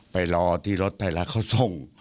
รอที่รถไทยรัฐเขาส่ง